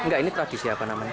enggak ini tradisi apa namanya